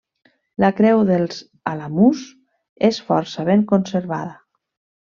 La creu dels Alamús és força ben conservada.